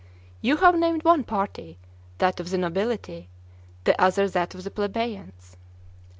You have named one party, that of the nobility, the other that of the plebeians.